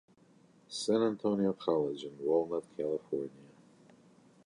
San Antonio College in Walnut, California.